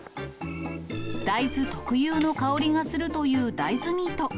大豆特有の香りがするという大豆ミート。